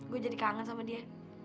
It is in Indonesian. gue jadi kangen sama dia